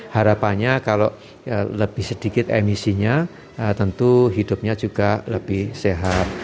harapannya kalau lebih sedikit emisinya tentu hidupnya juga lebih sehat